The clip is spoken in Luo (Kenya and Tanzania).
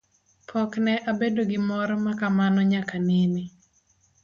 Pok ne abedo gi mor ma kamano nyaka nene.